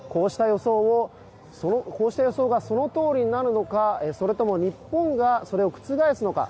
こうした予想がそのとおりになるのかそれとも日本がそれを覆すのか。